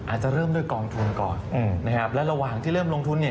อาจจะเริ่มด้วยกองทุนก่อนและระหว่างที่เริ่มลงทุน